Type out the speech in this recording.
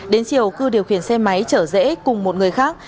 đến chiều cư điều khiển xe máy chở dễ cùng một người khác